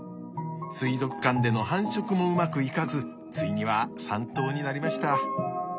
水族館での繁殖もうまくいかずついには３頭になりました。